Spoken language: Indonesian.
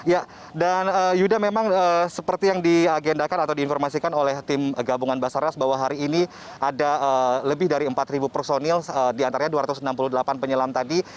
ya dan yuda memang seperti yang diagendakan atau diinformasikan oleh tim gabungan basarnas bahwa hari ini ada lebih dari empat personil diantaranya dua ratus enam puluh delapan penyelam tadi